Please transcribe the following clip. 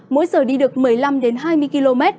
mỗi giờ đi được một mươi năm hai mươi km